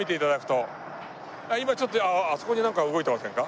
今ちょっとあそこになんか動いてませんか？